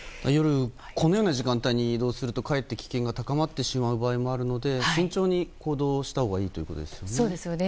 このような時間帯に移動するとかえって危険が高まってしまう場合もあるので慎重に行動をしたほうがいいということですね。